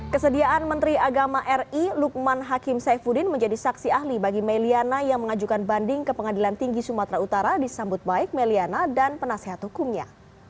kesediaan menteri agama ri lukman hakim saifuddin menjadi saksi ahli bagi meliana yang mengajukan banding ke pengadilan tinggi sumatera utara disambut baik meliana dan penasehat hukumnya